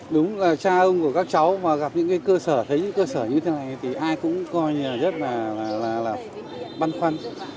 đúng là cha ông của các cháu mà gặp những cơ sở thấy những cơ sở như thế này thì ai cũng coi như là rất là băn khoăn